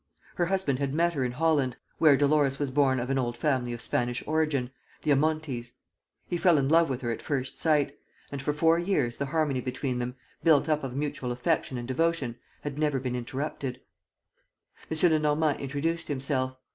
Her husband had met her in Holland, where Dolores was born of an old family of Spanish origin, the Amontis. He fell in love with her at first sight; and for four years the harmony between them, built up of mutual affection and devotion, had never been interrupted. M. Lenormand introduced himself.